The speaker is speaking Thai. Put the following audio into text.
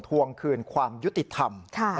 ทวงคืนความยุติธรรม